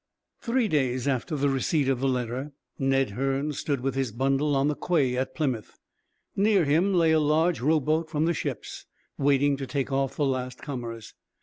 Three days after the receipt of the letter, Ned Hearne stood with his bundle on the quay at Plymouth. Near him lay a large rowboat from the ships, waiting to take off the last comers.